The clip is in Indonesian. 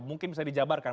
mungkin bisa dijabarkan